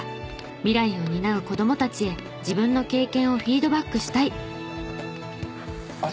未来を担う子供たちへ自分の経験をフィードバックしたい。